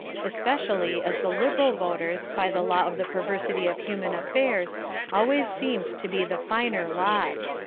Especially as the Liberal voters, by the law of the perversity of human affairs, always seemed to be the finer lot.